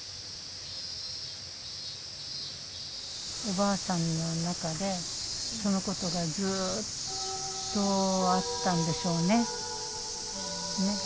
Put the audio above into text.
おばあさんの中でそのことがずっとあったんでしょうね。